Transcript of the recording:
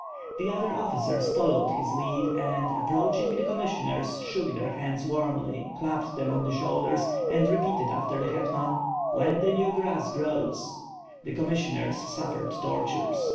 The other officers followed his lead and, approaching the commissioners, shook their hands warmly, clapped them on the shoulders and repeated after the hetman: '^When the new grass grows/' The commissioners suffered tortures.